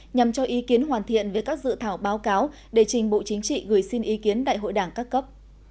nhằm cho ý kiến hoàn thiện về các dự thảo báo cáo để trình bộ chính trị gửi xin ý kiến đại hội đảng các cấp